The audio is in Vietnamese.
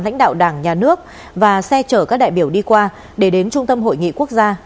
lãnh đạo đảng nhà nước và xe chở các đại biểu đi qua để đến trung tâm hội nghị quốc gia